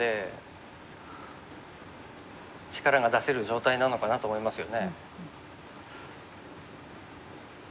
力が出せる状態なのかなと思いますよね。